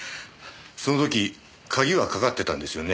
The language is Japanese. その時鍵はかかってたんですよね？